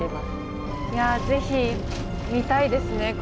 いや是非見たいですね。